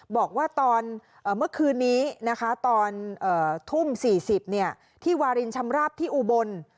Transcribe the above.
บอกว่าตอนเมื่อคืนนี้นะคะตอนทุ่ม๔๐ที่วารินชำราบที่อุบล